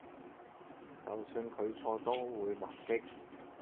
就算佢錯都會還擊？